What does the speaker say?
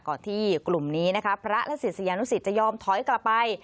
ที่กลุ่มนี้นะคะพระและศิษยานุสิตจะยอมถอยกลับไป